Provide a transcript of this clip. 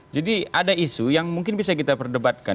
jadi ada isu yang mungkin bisa kita perdebatkan